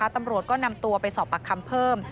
ตำรวจก็นำตัวไปสอบปากคำเพิ่ม